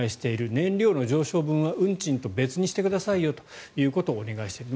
燃料の上昇分は運賃と別にしてくださいよということをお願いしている。